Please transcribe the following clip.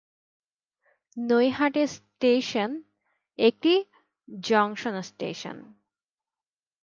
Naihati railway station একটি junction station.